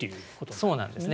そうなんですね。